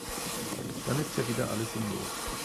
Dann ist ja wieder alles im Lot.